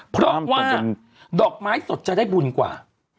เพราะว่าดอกไม้สดจะได้บุญกว่า